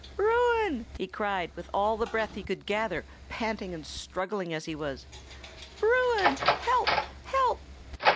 "Bruin!" he cried, with all the breath he could gather, panting and struggling as he was. "Bruin! help! help!"